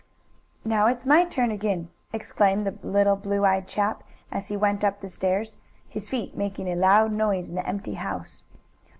"Now it's my turn again!" exclaimed the little blue eyed chap, as he went up the stairs, his feet making a loud noise in the empty house.